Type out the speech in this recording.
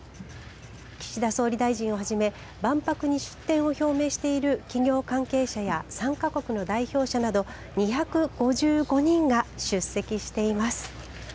岸田総理大臣をはじめ万博に出展を表明している企業関係者や参加国の代表者など２５５人が出席しています。